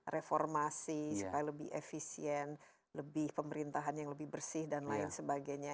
reformasi supaya lebih efisien lebih pemerintahan yang lebih bersih dan lain sebagainya